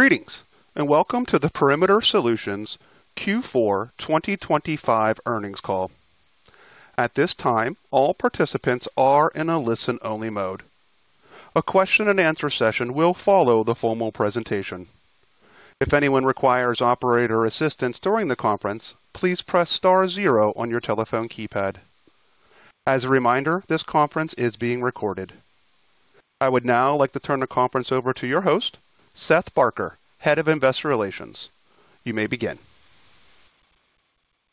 Greetings, and welcome to the Perimeter Solutions Q4 2025 earnings call. At this time, all participants are in a listen-only mode. A question and answer session will follow the formal presentation. If anyone requires operator assistance during the conference, please press star zero on your telephone keypad. As a reminder, this conference is being recorded. I would now like to turn the conference over to your host, Seth Barker, Head of Investor Relations. You may begin.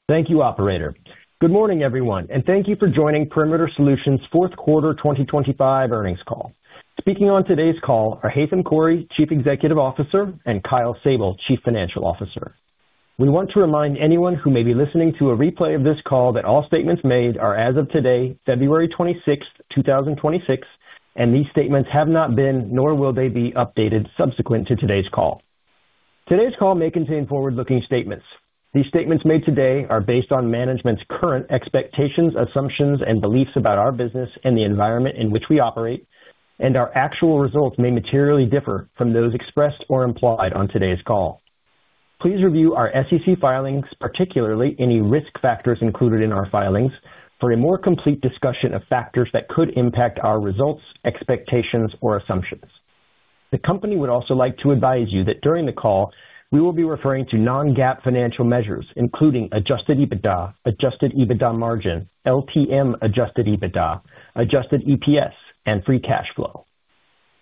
Thank you, operator. Good morning, everyone, and thank you for joining Perimeter Solutions' fourth quarter 2025 earnings call. Speaking on today's call are Haitham Khouri, Chief Executive Officer, and Kyle Sable, Chief Financial Officer. We want to remind anyone who may be listening to a replay of this call that all statements made are as of today, February 26, 2026, and these statements have not been, nor will they be updated subsequent to today's call. Today's call may contain forward-looking statements. These statements made today are based on management's current expectations, assumptions, and beliefs about our business and the environment in which we operate, and our actual results may materially differ from those expressed or implied on today's call. Please review our SEC filings, particularly any risk factors included in our filings, for a more complete discussion of factors that could impact our results, expectations, or assumptions. The company would also like to advise you that during the call, we will be referring to non-GAAP financial measures, including adjusted EBITDA, adjusted EBITDA margin, LTM adjusted EBITDA, adjusted EPS, and free cash flow.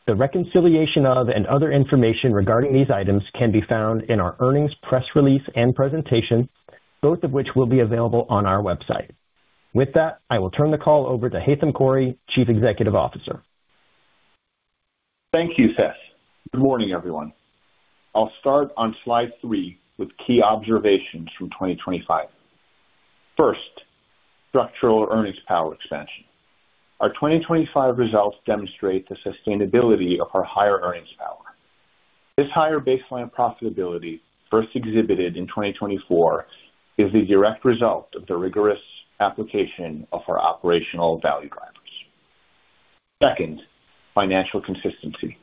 The reconciliation of and other information regarding these items can be found in our earnings, press release and presentation, both of which will be available on our website. With that, I will turn the call over to Haitham Khouri, Chief Executive Officer. Thank you, Seth. Good morning, everyone. I'll start on slide 3 with key observations from 2025. First, structural earnings power expansion. Our 2025 results demonstrate the sustainability of our higher earnings power. This higher baseline profitability, first exhibited in 2024, is the direct result of the rigorous application of our operational value drivers. Second, financial consistency.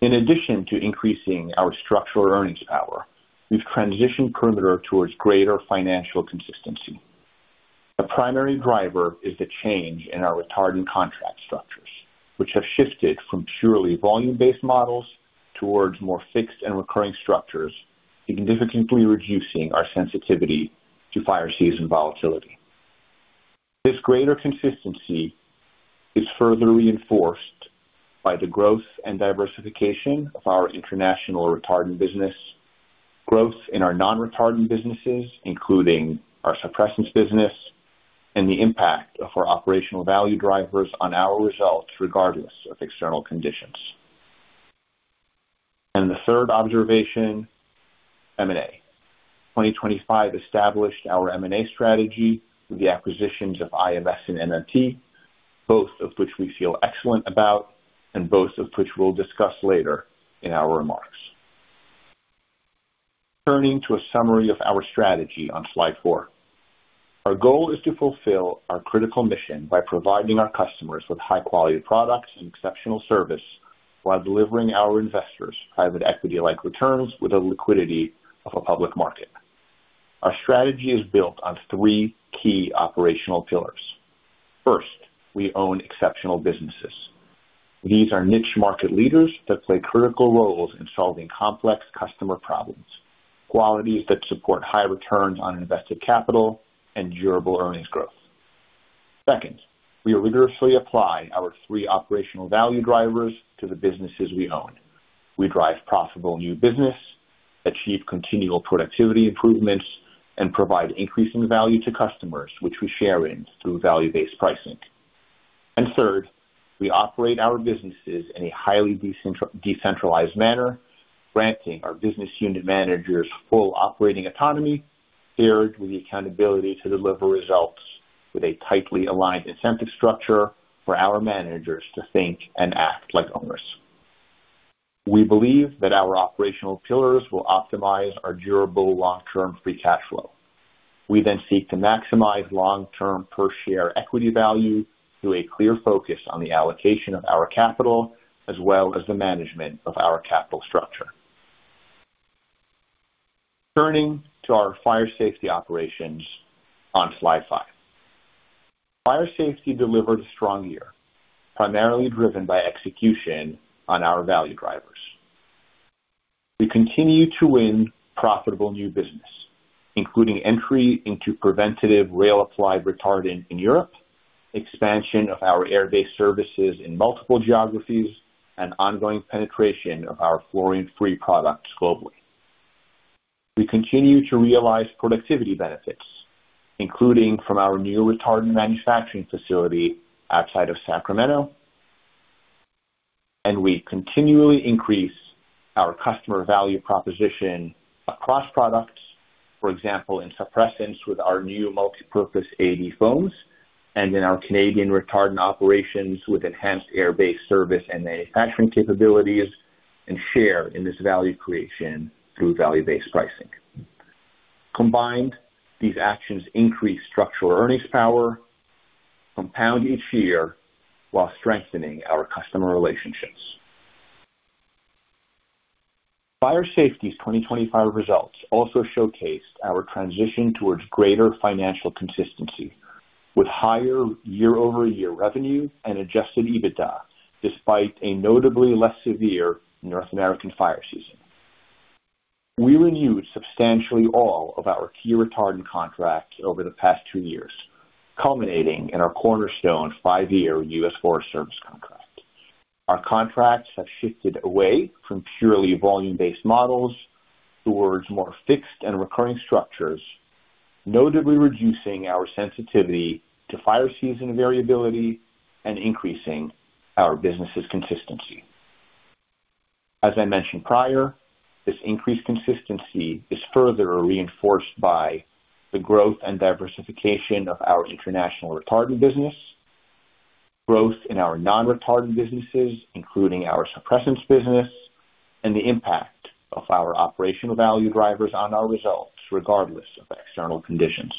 In addition to increasing our structural earnings power, we've transitioned Perimeter towards greater financial consistency. The primary driver is the change in our retardant contract structures, which have shifted from purely volume-based models towards more fixed and recurring structures, significantly reducing our sensitivity to fire season volatility. This greater consistency is further reinforced by the growth and diversification of our international retardant business, growth in our non-retardant businesses, including our suppressants business, and the impact of our operational value drivers on our results, regardless of external conditions. The third observation, M&A. 2025 established our M&A strategy through the acquisitions of IMS and NMT, both of which we feel excellent about and both of which we'll discuss later in our remarks. Turning to a summary of our strategy on slide four. Our goal is to fulfill our critical mission by providing our customers with high-quality products and exceptional service, while delivering our investors private equity-like returns with the liquidity of a public market. Our strategy is built on three key operational pillars. First, we own exceptional businesses. These are niche market leaders that play critical roles in solving complex customer problems, qualities that support high returns on invested capital and durable earnings growth. Second, we rigorously apply our three operational value drivers to the businesses we own. We drive profitable new business, achieve continual productivity improvements, and provide increasing value to customers, which we share in through value-based pricing. Third, we operate our businesses in a highly decentralized manner, granting our business unit managers full operating autonomy, paired with the accountability to deliver results with a tightly aligned incentive structure for our managers to think and act like owners. We believe that our operational pillars will optimize our durable, long-term free cash flow. We seek to maximize long-term per share equity value through a clear focus on the allocation of our capital, as well as the management of our capital structure. Turning to our Fire Safety operations on slide five. Fire Safety delivered a strong year, primarily driven by execution on our value drivers. We continue to win profitable new business, including entry into preventative rail-applied retardant in Europe, expansion of our air-based services in multiple geographies, and ongoing penetration of our fluorine-free products globally. We continue to realize productivity benefits, including from our new retardant manufacturing facility outside of Sacramento, and we continually increase our customer value proposition across products. For example, in suppressants with our new multipurpose AD foams and in our Canadian retardant operations with enhanced air-based service and manufacturing capabilities, share in this value creation through value-based pricing. Combined, these actions increase structural earnings power, compound each year, while strengthening our customer relationships. Fire safety's 2025 results also showcased our transition towards greater financial consistency, with higher year-over-year revenue and adjusted EBITDA, despite a notably less severe North American fire season. We renewed substantially all of our key retardant contracts over the past 2 years, culminating in our cornerstone 5-year U.S. Forest Service contract. Our contracts have shifted away from purely volume-based models towards more fixed and recurring structures, notably reducing our sensitivity to fire season variability and increasing our business's consistency. As I mentioned prior, this increased consistency is further reinforced by the growth and diversification of our international retardant business, growth in our non-retardant businesses, including our suppressants business, and the impact of our operational value drivers on our results, regardless of external conditions.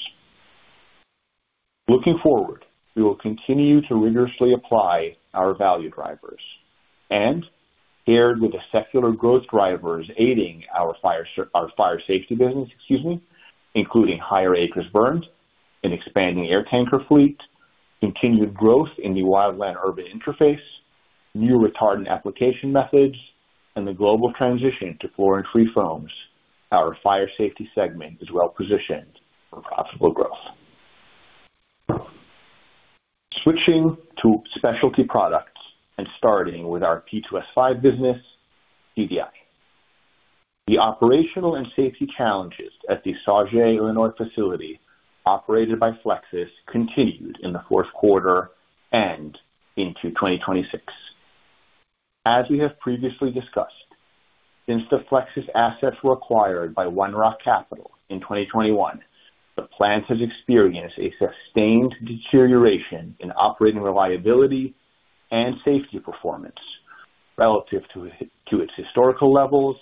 Looking forward, we will continue to rigorously apply our value drivers and paired with the secular growth drivers aiding our fire safety business, excuse me, including higher acres burned, an expanding air tanker fleet, continued growth in the wildland-urban interface, new retardant application methods, and the global transition to fluorine-free foams, our fire safety segment is well positioned for profitable growth. Switching to specialty products and starting with our P2S5 business, PDI. The operational and safety challenges at the Sauget Lenore facility, operated by Flexsys, continued in the fourth quarter and into 2026. As we have previously discussed, since the Flexsys assets were acquired by One Rock Capital in 2021, the plant has experienced a sustained deterioration in operating reliability and safety performance relative to its historical levels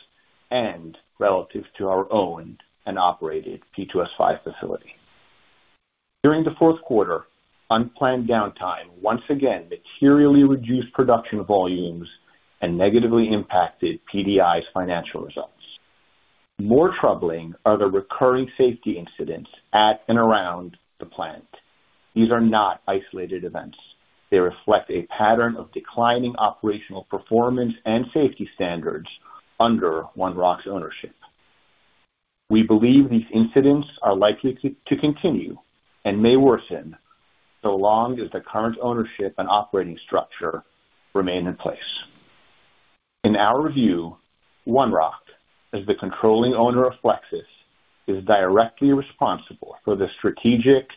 and relative to our owned and operated P2S5 facility. During the fourth quarter, unplanned downtime once again materially reduced production volumes and negatively impacted PDI's financial results. More troubling are the recurring safety incidents at and around the plant. These are not isolated events. They reflect a pattern of declining operational performance and safety standards under One Rock's ownership. We believe these incidents are likely to continue and may worsen so long as the current ownership and operating structure remain in place. In our view, One Rock, as the controlling owner of Flexsys, is directly responsible for the strategic,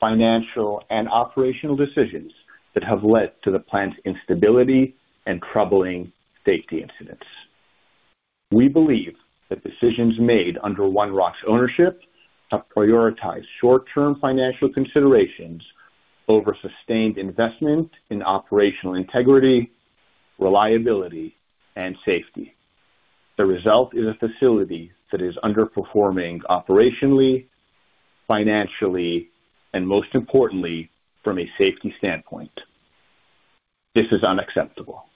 financial, and operational decisions that have led to the plant's instability and troubling safety incidents. We believe the decisions made under One Rock's ownership have prioritized short-term financial considerations over sustained investment in operational integrity, reliability, and safety. The result is a facility that is underperforming operationally, financially, and most importantly, from a safety standpoint. This is unacceptable.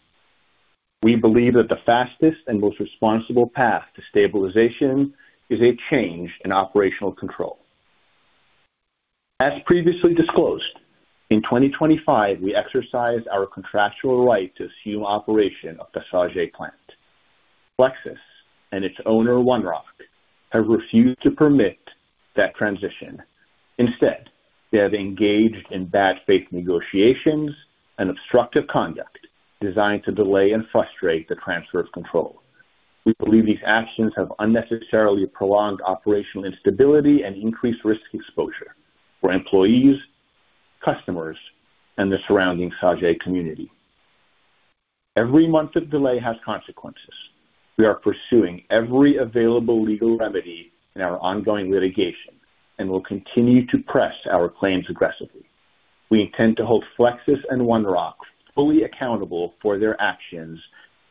We believe that the fastest and most responsible path to stabilization is a change in operational control. As previously disclosed, in 2025, we exercised our contractual right to assume operation of the Sauget plant. Flexsys and its owner, One Rock, have refused to permit that transition. Instead, they have engaged in bad faith negotiations and obstructive conduct designed to delay and frustrate the transfer of control. We believe these actions have unnecessarily prolonged operational instability and increased risk exposure for employees, customers, and the surrounding Sauget community. Every month of delay has consequences. We are pursuing every available legal remedy in our ongoing litigation and will continue to press our claims aggressively. We intend to hold Flexsys and One Rock fully accountable for their actions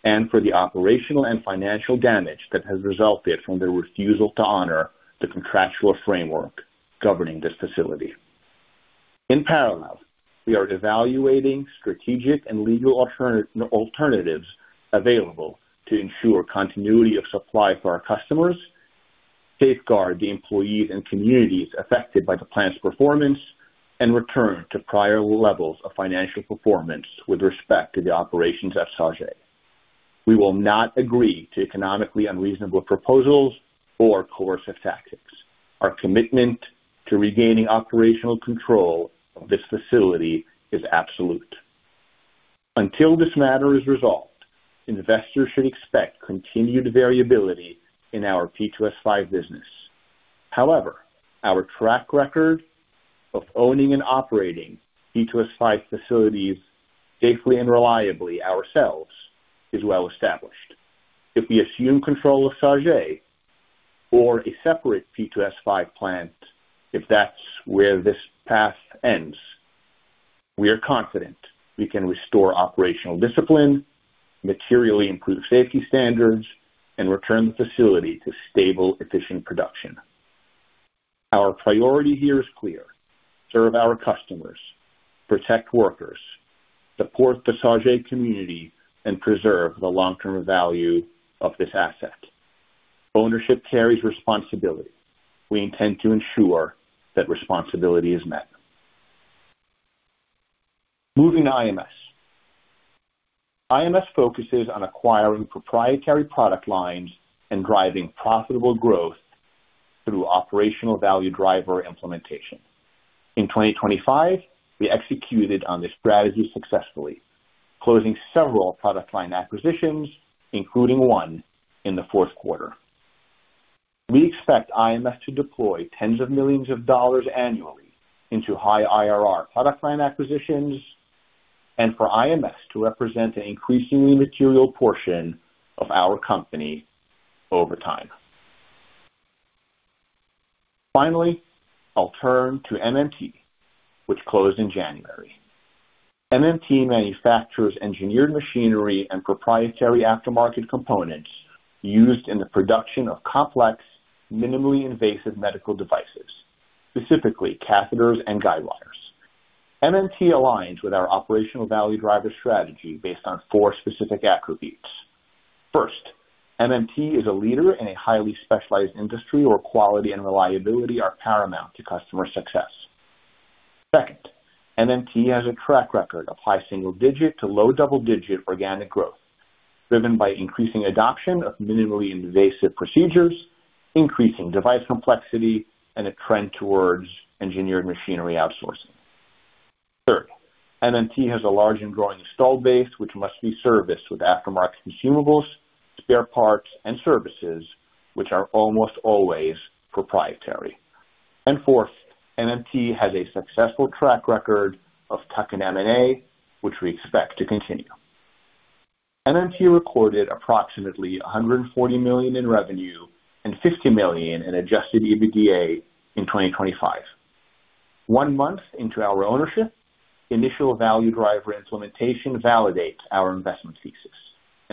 and for the operational and financial damage that has resulted from their refusal to honor the contractual framework governing this facility. In parallel, we are evaluating strategic and legal alternatives available to ensure continuity of supply for our customers, safeguard the employees and communities affected by the plant's performance, and return to prior levels of financial performance with respect to the operations at Sauget. We will not agree to economically unreasonable proposals or coercive tactics. Our commitment to regaining operational control of this facility is absolute. Until this matter is resolved, investors should expect continued variability in our P2S5 business. Our track record of owning and operating P2S5 facilities safely and reliably ourselves is well established. If we assume control of Sauget or a separate P2S5 plant, if that's where this path ends. We are confident we can restore operational discipline, materially improve safety standards, and return the facility to stable, efficient production. Our priority here is clear: serve our customers, protect workers, support the Sauget community, and preserve the long-term value of this asset. Ownership carries responsibility. We intend to ensure that responsibility is met. Moving to IMS. IMS focuses on acquiring proprietary product lines and driving profitable growth through operational value driver implementation. In 2025, we executed on this strategy successfully, closing several product line acquisitions, including one in the fourth quarter. We expect IMS to deploy tens of millions of dollars annually into high IRR product line acquisitions and for IMS to represent an increasingly material portion of our company over time. Finally, I'll turn to MMT, which closed in January. MMT manufactures engineered machinery and proprietary aftermarket components used in the production of complex, minimally invasive medical devices, specifically catheters and guidewires. MMT aligns with our operational value driver strategy based on four specific attributes. First, MMT is a leader in a highly-specialized industry where quality and reliability are paramount to customer success. Second, MMT has a track record of high single-digit to low double-digit organic growth, driven by increasing adoption of minimally invasive procedures, increasing device complexity, and a trend towards engineered machinery outsourcing. Third, MMT has a large and growing installed base, which must be serviced with aftermarket consumables, spare parts, and services, which are almost always proprietary. Fourth, MMT has a successful track record of tuck-in M&A, which we expect to continue. MMT recorded approximately $140 million in revenue and $50 million in adjusted EBITDA in 2025. One month into our ownership, initial value driver implementation validates our investment thesis.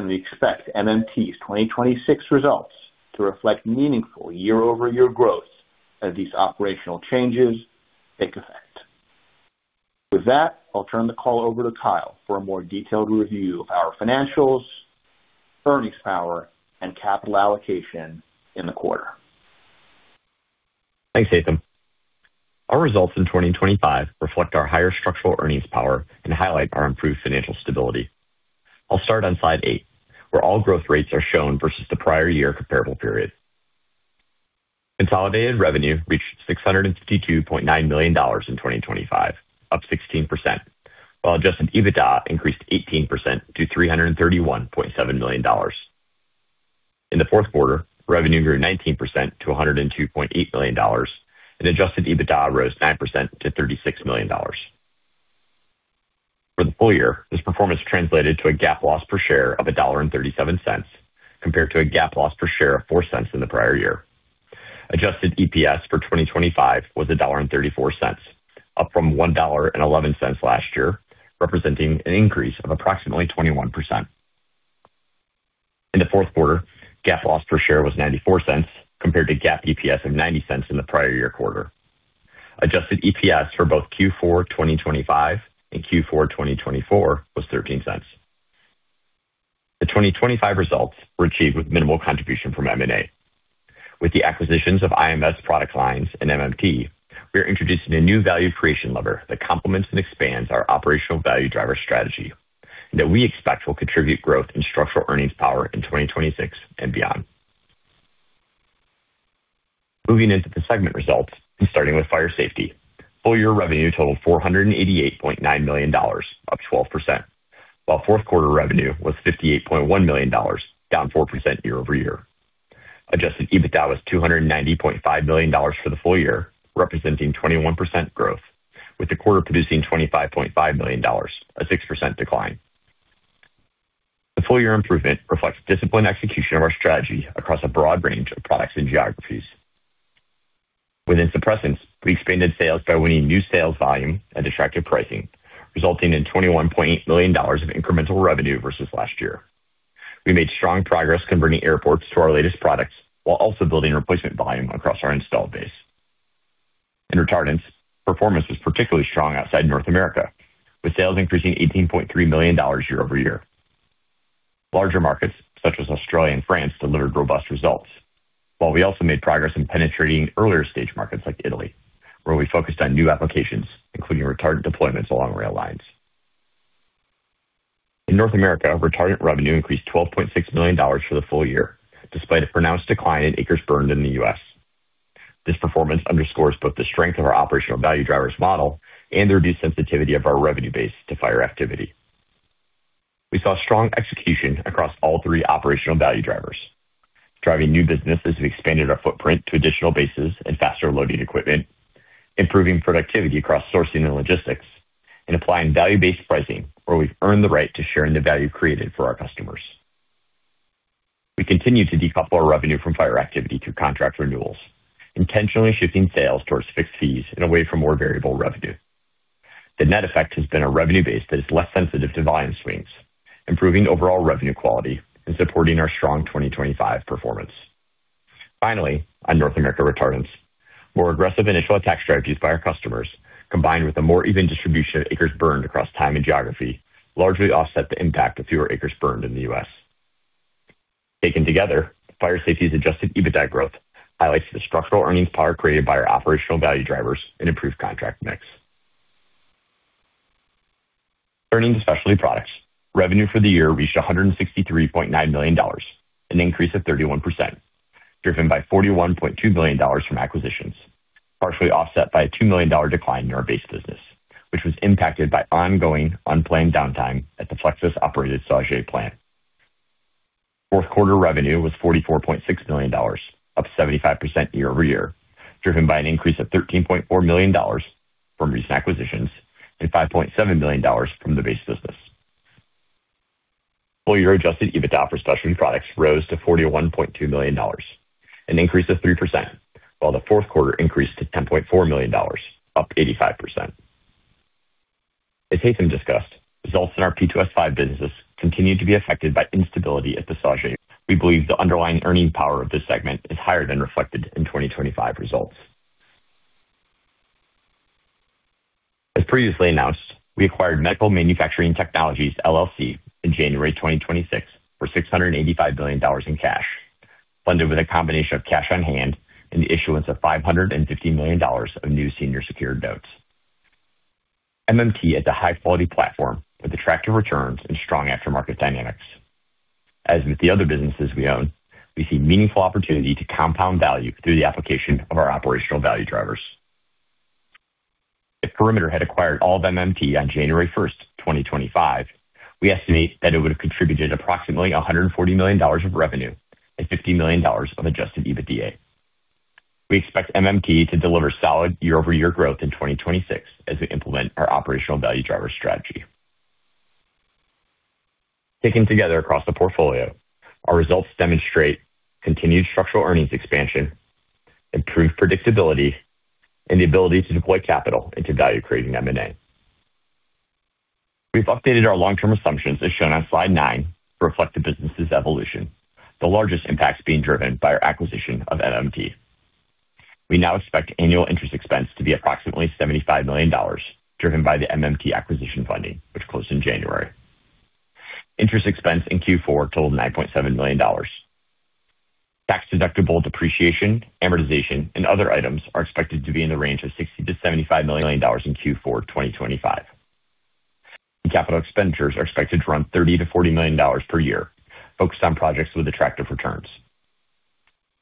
We expect MMT's 2026 results to reflect meaningful year-over-year growth as these operational changes take effect. With that, I'll turn the call over to Kyle for a more detailed review of our financials, earnings power, and capital allocation in the quarter. Thanks, Haitham. Our results in 2025 reflect our higher structural earnings power and highlight our improved financial stability. I'll start on slide eight, where all growth rates are shown versus the prior year comparable period. Consolidated revenue reached $652.9 million in 2025, up 16%, while adjusted EBITDA increased 18% to $331.7 million. In the fourth quarter, revenue grew 19% to $102.8 million and adjusted EBITDA rose 9% to $36 million. For the full year, this performance translated to a GAAP loss per share of $1.37, compared to a GAAP loss per share of $0.04 in the prior year. Adjusted EPS for 2025 was $1.34, up from $1.11 last year, representing an increase of approximately 21%. In the fourth quarter, GAAP loss per share was $0.94, compared to GAAP EPS of $0.90 in the prior year quarter. Adjusted EPS for both Q4 2025 and Q4 2024 was $0.13. The 2025 results were achieved with minimal contribution from M&A. With the acquisitions of IMS product lines and MMT, we are introducing a new value creation lever that complements and expands our operational value driver strategy that we expect will contribute growth in structural earnings power in 2026 and beyond. Moving into the segment results and starting with Fire Safety. Full year revenue totaled $488.9 million, up 12%, while fourth quarter revenue was $58.1 million, down 4% year-over-year. adjusted EBITDA was $290.5 million for the full year, representing 21% growth, with the quarter producing $25.5 million, a 6% decline. The full year improvement reflects disciplined execution of our strategy across a broad range of products and geographies. Within suppressants, we expanded sales by winning new sales volume at attractive pricing, resulting in $21.8 million of incremental revenue versus last year. We made strong progress converting airports to our latest products, while also building replacement volume across our installed base. In retardants, performance was particularly strong outside North America, with sales increasing $18.3 million year-over-year. Larger markets such as Australia and France delivered robust results, while we also made progress in penetrating earlier stage markets like Italy, where we focused on new applications, including retardant deployments along rail lines. In North America, retardant revenue increased $12.6 million for the full year, despite a pronounced decline in acres burned in the U.S. This performance underscores both the strength of our operational value drivers model and the reduced sensitivity of our revenue base to fire activity. We saw strong execution across all three operational value drivers, driving new businesses and expanded our footprint to additional bases and faster loading equipment, improving productivity across sourcing and logistics, and applying value-based pricing where we've earned the right to sharing the value created for our customers.... We continue to decouple our revenue from fire activity through contract renewals, intentionally shifting sales towards fixed fees and away from more variable revenue. The net effect has been a revenue base that is less sensitive to volume swings, improving overall revenue quality and supporting our strong 2025 performance. Finally, on North America retardants, more aggressive initial attack strategies by our customers, combined with a more even distribution of acres burned across time and geography, largely offset the impact of fewer acres burned in the U.S. Taken together, Fire Safety's adjusted EBITDA growth highlights the structural earnings power created by our operational value drivers and improved contract mix. Turning to Specialty Products. Revenue for the year reached $163.9 million, an increase of 31%, driven by $41.2 million from acquisitions, partially offset by a $2 million decline in our base business, which was impacted by ongoing unplanned downtime at the Flexsys-operated Sauget plant. Fourth quarter revenue was $44.6 million, up 75% year-over-year, driven by an increase of $13.4 million from recent acquisitions and $5.7 million from the base business. Full year adjusted EBITDA for specialty products rose to $41.2 million, an increase of 3%, while the fourth quarter increased to $10.4 million, up 85%. As Haitham discussed, results in our P2S5 businesses continued to be affected by instability at the Sauget. We believe the underlying earning power of this segment is higher than reflected in 2025 results. As previously announced, we acquired Medical Manufacturing Technologies LLC in January 2026 for $685 million in cash, funded with a combination of cash on hand and the issuance of $550 million of new senior secured notes. MMT is a high-quality platform with attractive returns and strong aftermarket dynamics. As with the other businesses we own, we see meaningful opportunity to compound value through the application of our operational value drivers. If Perimeter had acquired all of MMT on January 1st, 2025, we estimate that it would have contributed approximately $140 million of revenue and $50 million of adjusted EBITDA. We expect MMT to deliver solid year-over-year growth in 2026 as we implement our operational value driver strategy. Taken together across the portfolio, our results demonstrate continued structural earnings expansion, improved predictability, and the ability to deploy capital into value-creating M&A. We've updated our long-term assumptions, as shown on slide 9, to reflect the business's evolution, the largest impacts being driven by our acquisition of MMT. We now expect annual interest expense to be approximately $75 million, driven by the MMT acquisition funding, which closed in January. Interest expense in Q4 totaled $9.7 million. Tax-deductible depreciation, amortization, and other items are expected to be in the range of $60 million-$75 million in Q4 2025. Capital expenditures are expected to run $30 million-$40 million per year, focused on projects with attractive returns.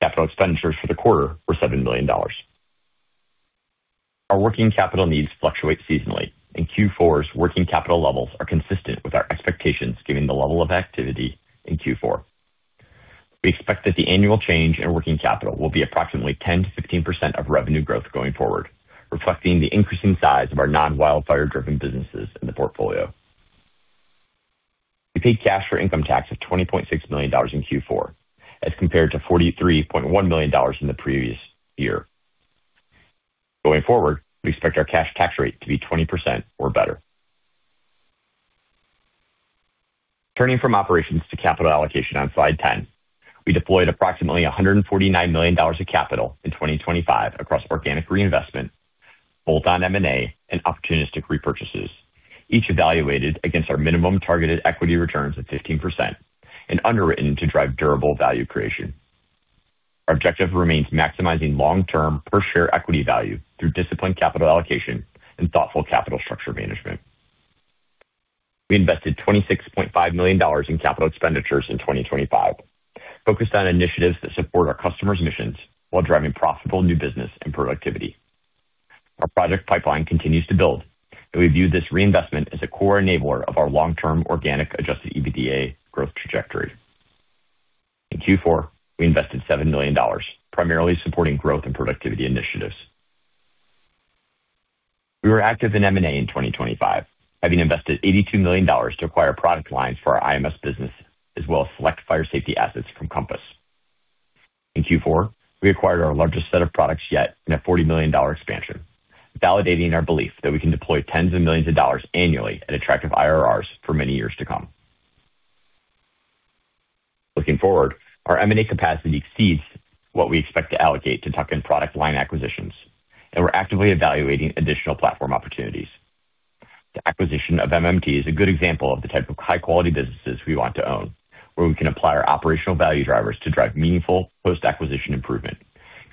Capital expenditures for the quarter were $7 million. Our working capital needs fluctuate seasonally, and Q4's working capital levels are consistent with our expectations, given the level of activity in Q4. We expect that the annual change in working capital will be approximately 10%-15% of revenue growth going forward, reflecting the increasing size of our non-wildfire-driven businesses in the portfolio. We paid cash for income tax of $20.6 million in Q4 as compared to $43.1 million in the previous year. Going forward, we expect our cash tax rate to be 20% or better. Turning from operations to capital allocation on slide 10. We deployed approximately $149 million of capital in 2025 across organic reinvestment, bolt-on M&A, and opportunistic repurchases, each evaluated against our minimum targeted equity returns of 15% and underwritten to drive durable value creation. Our objective remains maximizing long-term per-share equity value through disciplined capital allocation and thoughtful capital structure management. We invested $26.5 million in capital expenditures in 2025, focused on initiatives that support our customers' missions while driving profitable new business and productivity. Our project pipeline continues to build, and we view this reinvestment as a core enabler of our long-term organic adjusted EBITDA growth trajectory. In Q4, we invested $7 million, primarily supporting growth and productivity initiatives. We were active in M&A in 2025, having invested $82 million to acquire product lines for our IMS business, as well as select fire safety assets from Compass. In Q4, we acquired our largest set of products yet in a $40 million expansion, validating our belief that we can deploy tens of millions of dollars annually at attractive IRRs for many years to come. Looking forward, our M&A capacity exceeds what we expect to allocate to tuck-in product line acquisitions, and we're actively evaluating additional platform opportunities. The acquisition of MMT is a good example of the type of high-quality businesses we want to own, where we can apply our operational value drivers to drive meaningful post-acquisition improvement,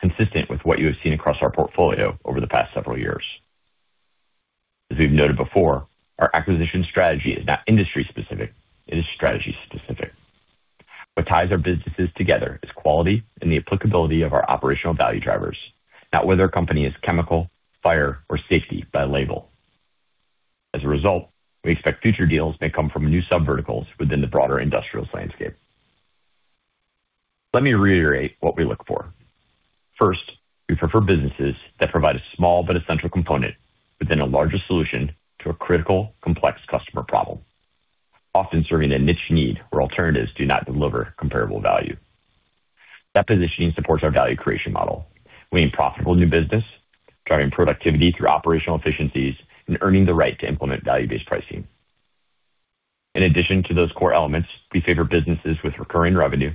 consistent with what you have seen across our portfolio over the past several years. As we've noted before, our acquisition strategy is not industry specific, it is strategy specific. What ties our businesses together is quality and the applicability of our operational value drivers, not whether a company is chemical, fire, or safety by label. As a result, we expect future deals may come from new subverticals within the broader industrials landscape. Let me reiterate what we look for. First, we prefer businesses that provide a small but essential component within a larger solution to a critical, complex customer problem, often serving a niche need where alternatives do not deliver comparable value. That positioning supports our value creation model. We need profitable new business, driving productivity through operational efficiencies, and earning the right to implement value-based pricing. In addition to those core elements, we favor businesses with recurring revenue,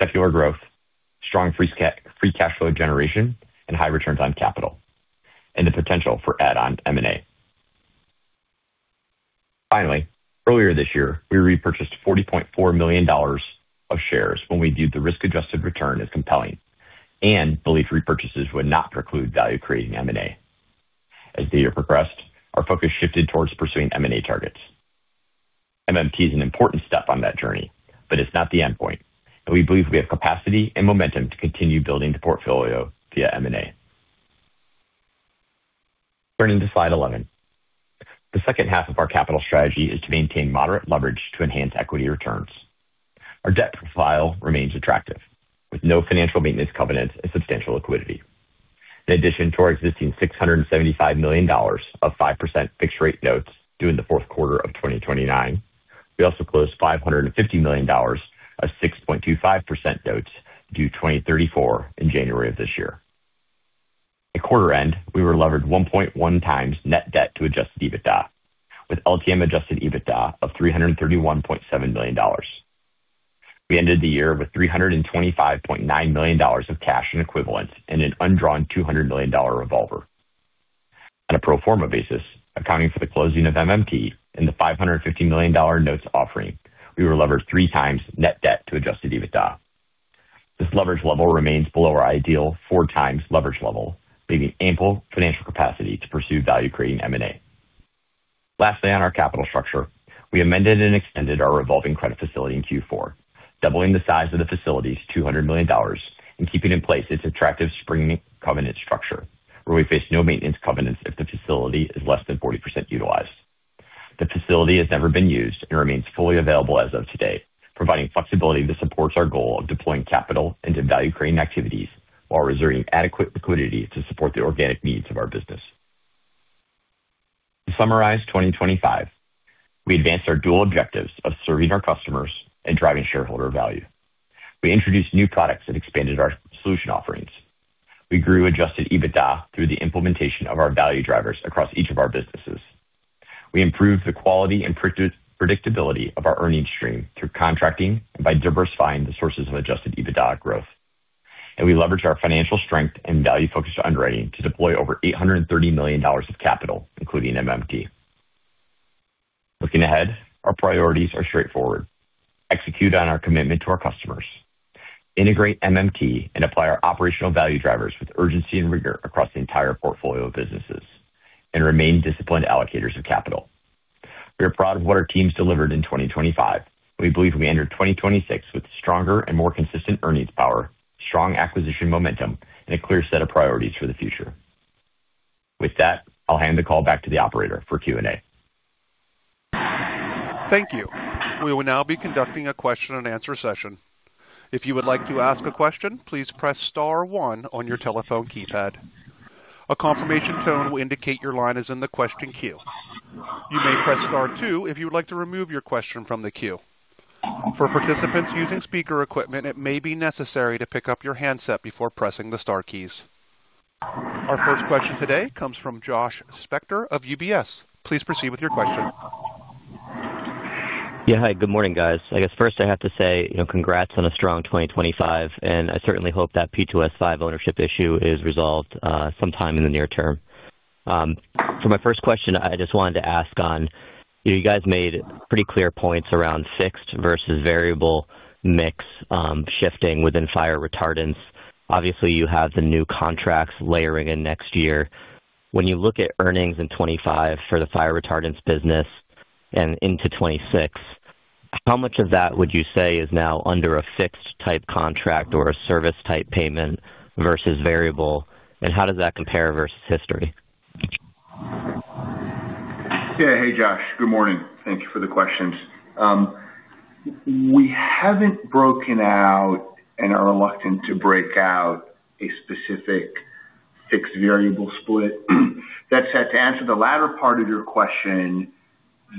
secular growth, strong free cash flow generation, and high returns on capital, and the potential for add-on M&A. Finally, earlier this year, we repurchased $40.4 million of shares when we viewed the risk-adjusted return as compelling and believed repurchases would not preclude value creating M&A. As the year progressed, our focus shifted towards pursuing M&A targets. MMT is an important step on that journey, but it's not the endpoint, and we believe we have capacity and momentum to continue building the portfolio via M&A. Turning to slide 11. The second half of our capital strategy is to maintain moderate leverage to enhance equity returns. Our debt profile remains attractive, with no financial maintenance covenants and substantial liquidity. In addition to our existing $675 million of 5% fixed rate notes due in the fourth quarter of 2029, we also closed $550 million of 6.25% notes due 2034 in January of this year. At quarter end, we were levered 1.1 times net debt to adjusted EBITDA, with LTM adjusted EBITDA of $331.7 million. We ended the year with $325.9 million of cash and equivalents and an undrawn $200 million revolver. On a pro forma basis, accounting for the closing of MMT and the $550 million notes offering, we were levered 3 times net debt to adjusted EBITDA. This leverage level remains below our ideal 4 times leverage level, leaving ample financial capacity to pursue value-creating M&A. Lastly, on our capital structure, we amended and extended our revolving credit facility in Q4, doubling the size of the facility to $200 million and keeping in place its attractive spring covenant structure, where we face no maintenance covenants if the facility is less than 40% utilized. The facility has never been used and remains fully available as of today, providing flexibility that supports our goal of deploying capital into value-creating activities while reserving adequate liquidity to support the organic needs of our business. 2025, we advanced our dual objectives of serving our customers and driving shareholder value. We introduced new products that expanded our solution offerings. We grew adjusted EBITDA through the implementation of our value drivers across each of our businesses. We improved the quality and predictability of our earnings stream through contracting and by diversifying the sources of adjusted EBITDA growth. We leveraged our financial strength and value-focused underwriting to deploy over $830 million of capital, including MMT. Looking ahead, our priorities are straightforward: execute on our commitment to our customers, integrate MMT, and apply our operational value drivers with urgency and rigor across the entire portfolio of businesses, and remain disciplined allocators of capital. We are proud of what our teams delivered in 2025. We believe we entered 2026 with stronger and more consistent earnings power, strong acquisition momentum, and a clear set of priorities for the future. With that, I'll hand the call back to the operator for Q&A. Thank you. We will now be conducting a question and answer session. If you would like to ask a question, please press star one on your telephone keypad. A confirmation tone will indicate your line is in the question queue. You may press star two if you would like to remove your question from the queue. For participants using speaker equipment, it may be necessary to pick up your handset before pressing the star keys. Our first question today comes from Joshua Spector of UBS. Please proceed with your question. Yeah. Hi, good morning, guys. I guess first I have to say, you know, congrats on a strong 2025, and I certainly hope that P2S5 ownership issue is resolved sometime in the near term. For my first question, I just wanted to ask on, you guys made pretty clear points around fixed versus variable mix, shifting within fire retardants. Obviously, you have the new contracts layering in next year. When you look at earnings in 2025 for the fire retardants business and into 2026, how much of that would you say is now under a fixed type contract or a service type payment versus variable, and how does that compare versus history? Yeah. Hey, Joshua. Good morning. Thank you for the questions. We haven't broken out and are reluctant to break out a specific fixed variable split. That said, to answer the latter part of your question,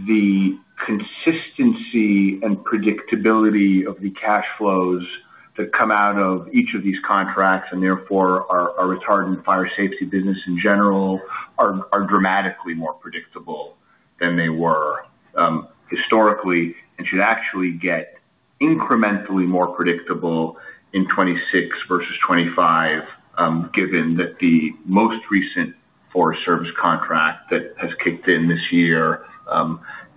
the consistency and predictability of the cash flows that come out of each of these contracts, and therefore our retardant fire safety business in general, are dramatically more predictable than they were historically, and should actually get incrementally more predictable in 26 versus 25, given that the most recent U.S. Forest Service contract that has kicked in this year,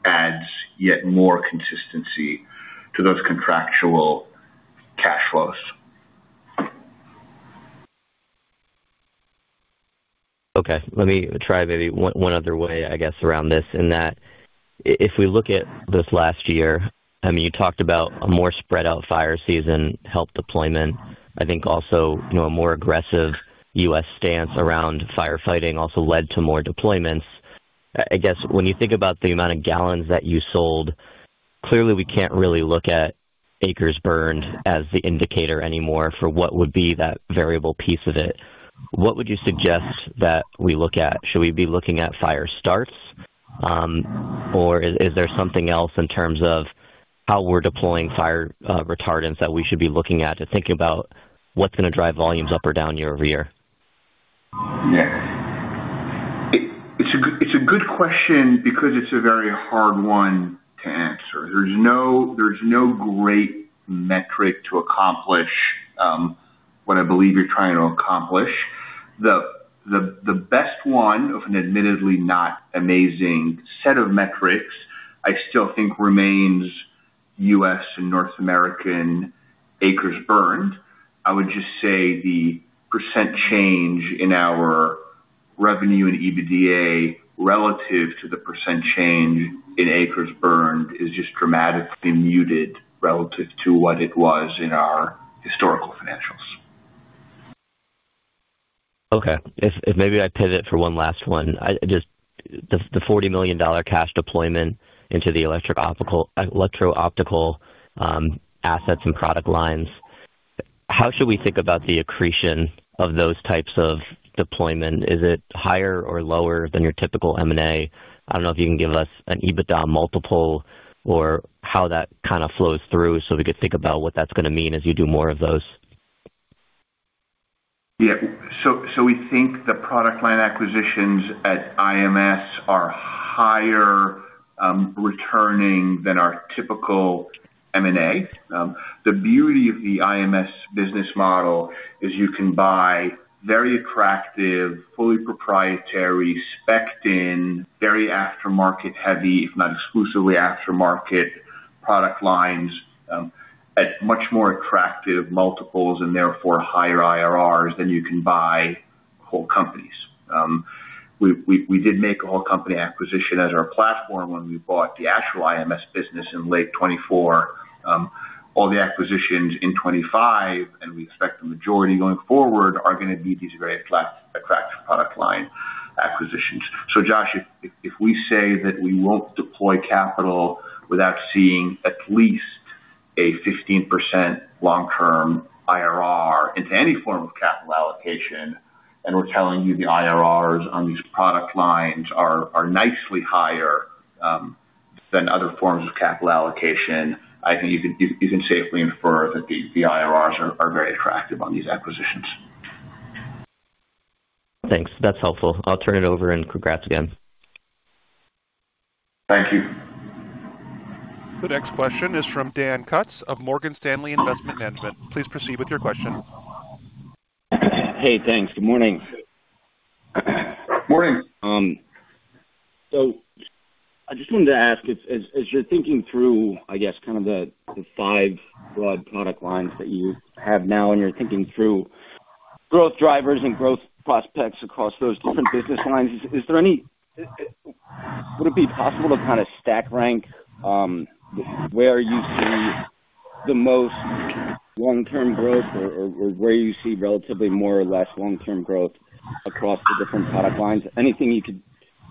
adds yet more consistency to those contractual cash flows. Okay, let me try maybe one other way, I guess, around this, in that if we look at this last year, I mean, you talked about a more spread out fire season, health deployment, I think also, you know, a more aggressive U.S. stance around firefighting also led to more deployments. I guess when you think about the amount of gallons that you sold, clearly we can't really look at acres burned as the indicator anymore for what would be that variable piece of it. What would you suggest that we look at? Should we be looking at fire starts, or is there something else in terms of how we're deploying fire retardants that we should be looking at to think about what's gonna drive volumes up or down year-over-year? It's a good question because it's a very hard one to answer. There's no great metric to accomplish what I believe you're trying to accomplish. The best one of an admittedly not amazing set of metrics, I still think remains U.S. and North American acres burned. I would just say the % change in our revenue and EBITDA relative to the % change in acres burned is just dramatically muted relative to what it was in our historical financials. Okay. If maybe I pivot for one last one, the $40 million cash deployment into the electrooptical assets and product lines, how should we think about the accretion of those types of deployment? Is it higher or lower than your typical M&A? I don't know if you can give us an EBITDA multiple or how that kind of flows through so we could think about what that's gonna mean as you do more of those. Yeah. We think the product line acquisitions at IMS are higher returning than our typical M&A. The beauty of the IMS business model is you can buy very attractive, fully proprietary, spec'd in, very aftermarket-heavy, if not exclusively aftermarket product lines at much more attractive multiples and therefore higher IRRs than you can buy whole companies. We did make a whole company acquisition as our platform when we bought the actual IMS business in late 2024. All the acquisitions in 2025, and we expect the majority going forward, are gonna be these very attractive product line acquisitions. Josh, if we say that we won't deploy capital without seeing at least a 15% long-term IRR into any form of capital allocation, and we're telling you the IRRs on these product lines are nicely higher than other forms of capital allocation, I think you can safely infer that the IRRs are very attractive on these acquisitions. Thanks. That's helpful. I'll turn it over and congrats again. Thank you. The next question is from Dan Kutz of Morgan Stanley Investment Management. Please proceed with your question. Hey, thanks. Good morning. Morning. I just wanted to ask, as you're thinking through, I guess, kind of the five broad product lines that you have now, and you're thinking through growth drivers and growth prospects across those different business lines, is there any, would it be possible to kind of stack rank, where you see the most long-term growth or where you see relatively more or less long-term growth across the different product lines? Anything you could,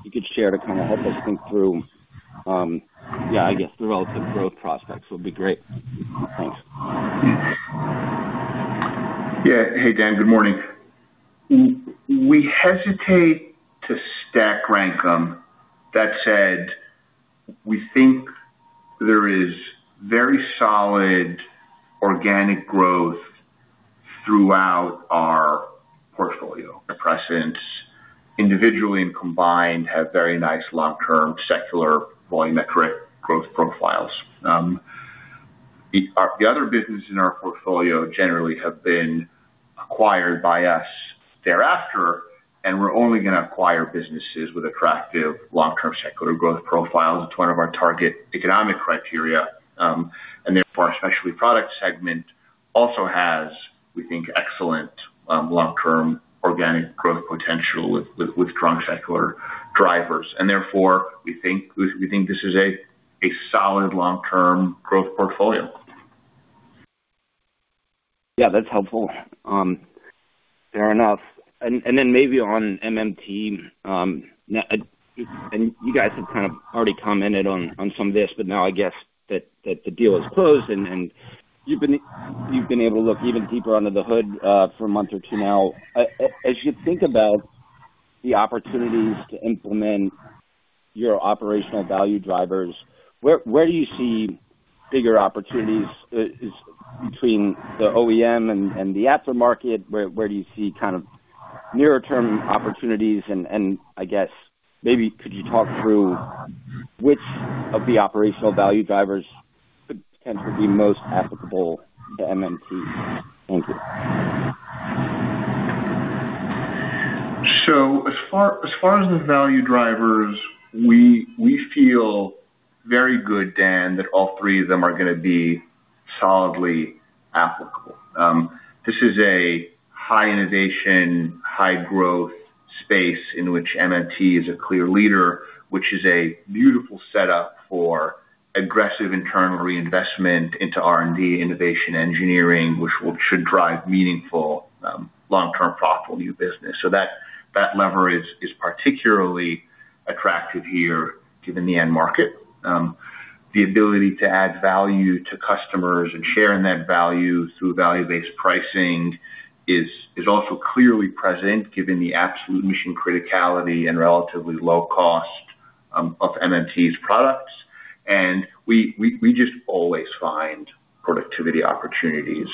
you could share to kind of help us think through, I guess the relative growth prospects would be great. Thanks. Yeah. Hey, Dan. Good morning. We hesitate to stack rank them. That said, we think there is very solid organic growth throughout our portfolio. suppressants, individually and combined, have very nice long-term secular volumetric growth profiles. The other businesses in our portfolio generally have been acquired by us thereafter, and we're only gonna acquire businesses with attractive long-term secular growth profiles. It's one of our target economic criteria. Therefore, our specialty product segment also has, we think excellent, long-term organic growth potential with strong secular drivers. Therefore, we think this is a solid long-term growth portfolio. Yeah, that's helpful. Fair enough. Maybe on MMT, and you guys have kind of already commented on some of this, but now I guess that the deal is closed and you've been able to look even deeper under the hood for a month or two now. As you think about the opportunities to implement your operational value drivers, where do you see bigger opportunities between the OEM and the aftermarket? Where do you see kind of nearer-term opportunities? I guess maybe could you talk through which of the operational value drivers could potentially be most applicable to MMT? Thank you. As far as the value drivers, we feel very good, Dan, that all three of them are gonna be solidly applicable. This is a high innovation, high growth space in which MMT is a clear leader, which is a beautiful setup for aggressive internal reinvestment into R&D, innovation, engineering, which should drive meaningful long-term profitable new business. That lever is particularly attractive here, given the end market. The ability to add value to customers and share in that value through value-based pricing is also clearly present, given the absolute mission criticality and relatively low cost of MMT's products. We just always find productivity opportunities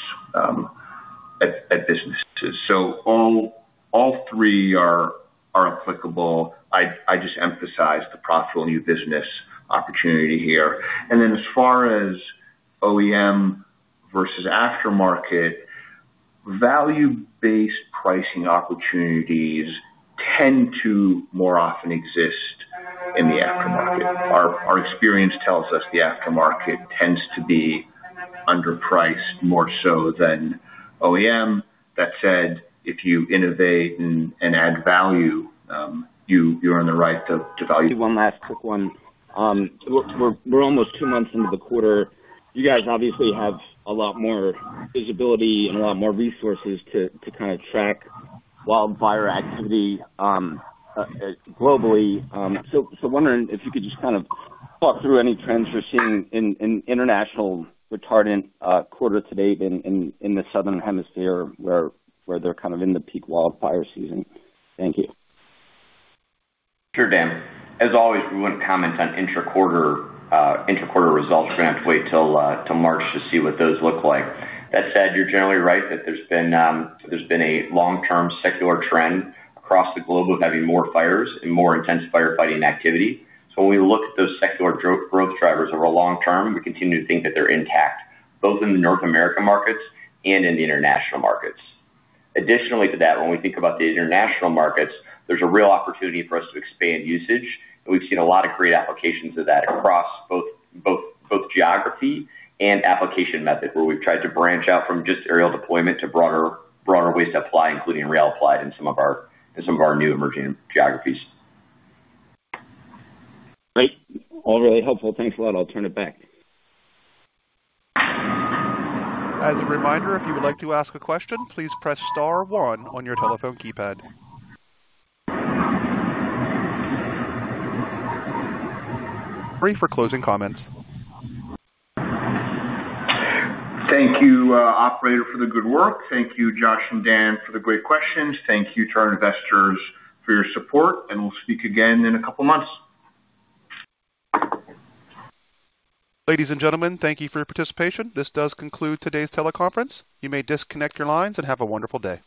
at businesses. All three are applicable. I just emphasize the profitable new business opportunity here. As far as OEM versus aftermarket, value-based pricing opportunities tend to more often exist in the aftermarket. Our experience tells us the aftermarket tends to be underpriced more so than OEM. That said, if you innovate and add value, you earn the right to value. One last quick one. We're almost 2 months into the quarter. You guys obviously have a lot more visibility and a lot more resources to kinda track wildfire activity globally. Wondering if you could just kind of walk through any trends we're seeing in international retardant quarter to date in the Southern Hemisphere, where they're kind of in the peak wildfire season. Thank you. Sure, Dan. As always, we wouldn't comment on intra-quarter, intra-quarter results. We're gonna have to wait till March to see what those look like. That said, you're generally right, that there's been a long-term secular trend across the globe of having more fires and more intense firefighting activity. When we look at those secular growth drivers over long term, we continue to think that they're intact, both in the North American markets and in the international markets. Additionally to that, when we think about the international markets, there's a real opportunity for us to expand usage, and we've seen a lot of great applications of that across both geography and application method, where we've tried to branch out from just aerial deployment to broader ways to apply, including rail apply in some of our new emerging geographies. Great. All really helpful. Thanks a lot. I'll turn it back. As a reminder, if you would like to ask a question, please press star one on your telephone keypad. Free for closing comments. Thank you, operator, for the good work. Thank you, Joshua and Dan, for the great questions. Thank you to our investors for your support. We'll speak again in a couple months. Ladies and gentlemen, thank you for your participation. This does conclude today's teleconference. You may disconnect your lines, and have a wonderful day.